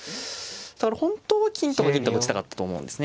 本当は金とか銀とか打ちたかったと思うんですね。